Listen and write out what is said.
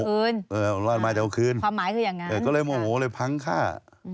อื้อรอดมาจะเอาคืนหวังจะพ้างฆ่า